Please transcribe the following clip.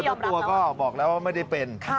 เจ้าตัวก็บอกแล้วว่าไม่ได้เป็น